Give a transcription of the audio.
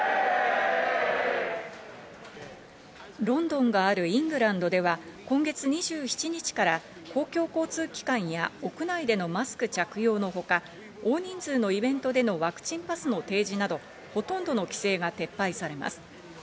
ロンドンがあるイングランドでは今月２７日から公共交通機関や屋内でのマスク着用のほか、大人数のイベントでのワクチンパスの提示など、ほとんどの規制が撤廃されます。